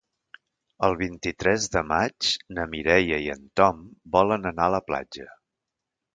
El vint-i-tres de maig na Mireia i en Tom volen anar a la platja.